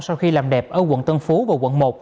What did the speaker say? sau khi làm đẹp ở quận tân phú và quận một